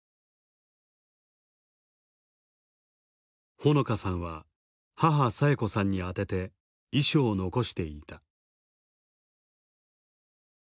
穂野香さんは母佐永子さんに宛てて遺書を残していた。